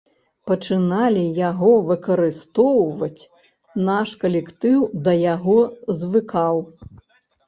Пачыналі яго выкарыстоўваць, наш калектыў да яго звыкаў.